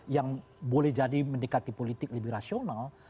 yang boleh jadi mendekati politik lebih rasional